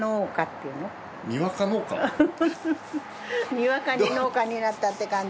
にわかに農家になったって感じ？